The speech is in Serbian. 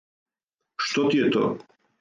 Што ти је то?